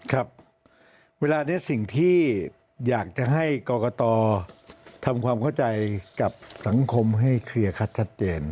ครับเวลานี้สิ่งที่อยากจะให้กรกตทำความเข้าใจกับสังคมให้เคลียร์คัดชัดเจน